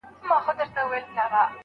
ستا نصیحت به شنوا نه کړي دا کاڼه غوږونه